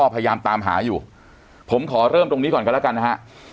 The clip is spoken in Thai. พยายามตามหาอยู่ผมขอเริ่มตรงนี้ก่อนกันแล้วกันนะฮะ